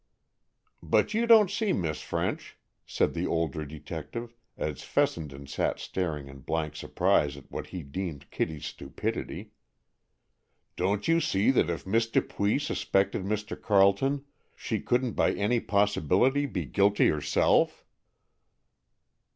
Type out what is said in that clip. "But don't you see, Miss French," said the older detective, as Fessenden sat staring in blank surprise at what he deemed Kitty's stupidity—"don't you see that if Miss Dupuy suspected Mr. Carleton she couldn't by any possibility be guilty herself."